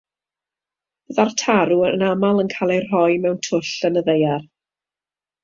Byddai'r tarw yn aml yn cael ei roi mewn twll yn y ddaear.